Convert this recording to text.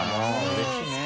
うれしいね。